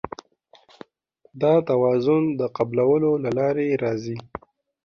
دا توازن د قبلولو له لارې راځي.